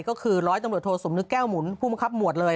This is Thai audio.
ก็คือร้อยตำรวจโทสมนึกแก้วหมุนผู้มังคับหมวดเลย